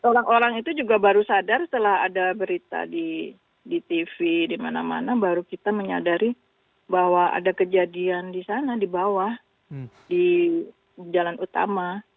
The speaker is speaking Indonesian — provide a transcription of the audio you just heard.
orang orang itu juga baru sadar setelah ada berita di tv di mana mana baru kita menyadari bahwa ada kejadian di sana di bawah di jalan utama